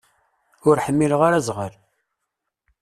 Ur ḥmileɣ ara azɣal.